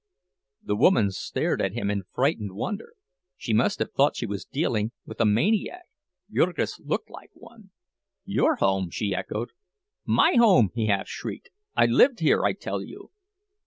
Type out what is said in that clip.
The woman stared at him in frightened wonder, she must have thought she was dealing with a maniac—Jurgis looked like one. "Your home!" she echoed. "My home!" he half shrieked. "I lived here, I tell you."